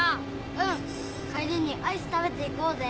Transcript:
うん帰りにアイス食べて行こうぜ。